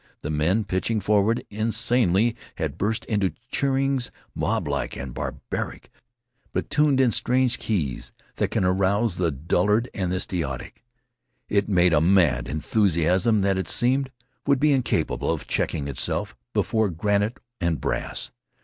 The men, pitching forward insanely, had burst into cheerings, moblike and barbaric, but tuned in strange keys that can arouse the dullard and the stoic. It made a mad enthusiasm that, it seemed, would be incapable of checking itself before granite and brass.